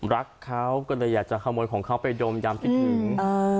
รักเขาก็เลยอยากจะขโมยของเขาไปดมยามคิดถึง